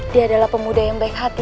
dia adalah pemuda yang baik hati